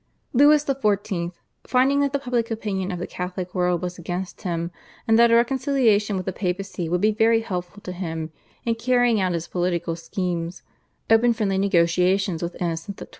Louis XIV., finding that the public opinion of the Catholic world was against him, and that a reconciliation with the Papacy would be very helpful to him in carrying out his political schemes, opened friendly negotiations with Innocent XII.